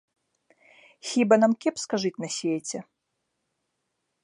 Хіба нам кепска жыць на свеце?